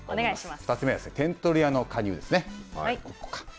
２つ目は点取り屋の加入ですね。